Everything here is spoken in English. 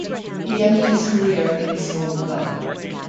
He ended his career in his home club.